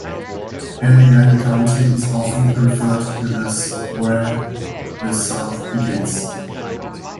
Allegany County is often referred to as Where the South Begins.